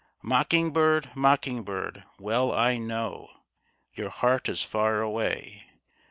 Mocking bird ! mocking bird ! well I know Your heart is far away.